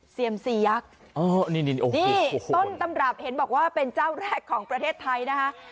เซียมซียักษ์นี่ต้นตำรับเห็นบอกว่าเป็นเจ้าแรกของประเทศไทยนะคะ